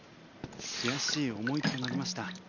悔しい思い出となりました。